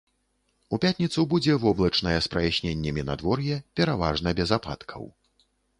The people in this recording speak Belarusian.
У пятніцу будзе воблачнае з праясненнямі надвор'е, пераважна без ападкаў.